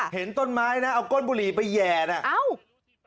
เห็นต้นไม้เอาก้นบุหรี่ไปแย่เนี่ย